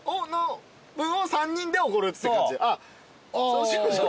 そうしましょう。